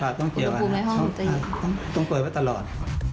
ครับต้องเกี่ยวกันนะครับต้องเปิดไว้ตลอด